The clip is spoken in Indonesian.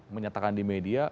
menyatakan di media